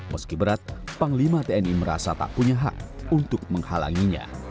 meski berat panglima tni merasa tak punya hak untuk menghalanginya